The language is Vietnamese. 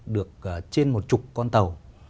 được trên một chục con tàu